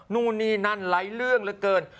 นู่นนี่นั่นไร้เรื่องเหลือเกิน